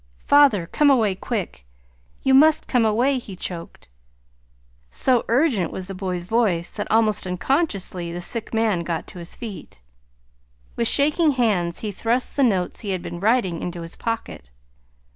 "Father, come away, quick! You must come away," he choked. So urgent was the boy's voice that almost unconsciously the sick man got to his feet. With shaking hands he thrust the notes he had been writing into his pocket.